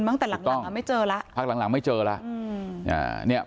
มากแต่หลังหลังไม่เจอแล้ว